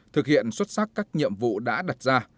thực hiện xuất sắc các nhiệm vụ đã đặt ra